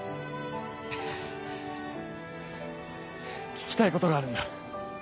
聞きたいことがあるんだ。